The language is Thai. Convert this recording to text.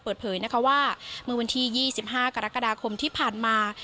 เปิดเผยนะคะว่าเมื่อวันที่๒๕กรกฎาคมที่ผ่านมา